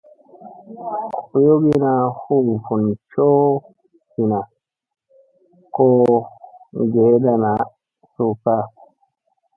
Boyogina huu fun coo vina ko geeda na su ka.